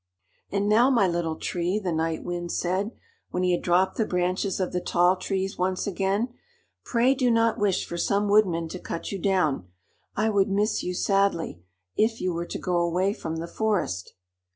"And now, my Little Tree," the Night Wind said, when he had dropped the branches of the tall trees once again, "pray do not wish for some woodman to cut you down. I would miss you sadly, if you were to go away from the forest."